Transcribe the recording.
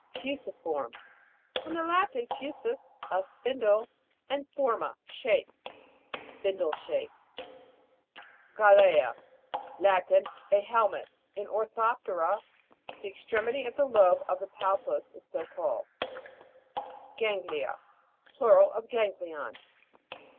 FU'SIFORM. From the Latin, fusus, a spindle, and forma, shape. Spin die shaped. GALE'A. Latin. A helmet. In Or thoptera, the extremity of the lobe of the palpus, is so called. GAN'GLIA. Plural of ganglion.